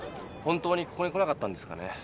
本当にここに来なかったんですかね？